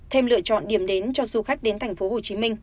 thêm lựa chọn điểm đến cho du khách đến tp hcm